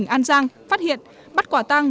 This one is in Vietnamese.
an giang phát hiện bắt quả tang